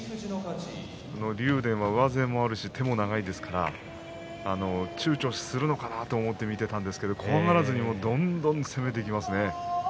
竜電は上背もあるし手も長いですからちゅうちょするのかなと思って見ていたんですが怖がらずにどんどん攻めていきますね。